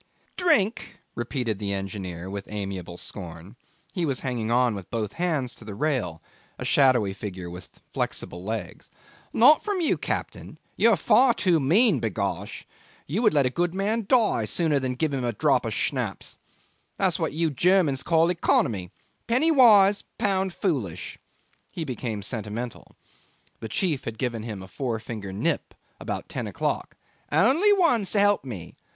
'Drink!' repeated the engineer with amiable scorn: he was hanging on with both hands to the rail, a shadowy figure with flexible legs. 'Not from you, captain. You're far too mean, b'gosh. You would let a good man die sooner than give him a drop of schnapps. That's what you Germans call economy. Penny wise, pound foolish.' He became sentimental. The chief had given him a four finger nip about ten o'clock 'only one, s'elp me!